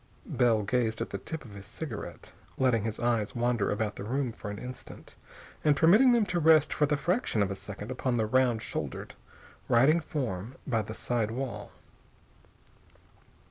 Bell gazed at the tip of his cigarette, letting his eyes wander about the room for an instant, and permitting them to rest for the fraction of a second upon the round shouldered, writing form by the side wall.